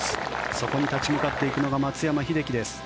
そこに立ち向かっていくのが松山英樹です。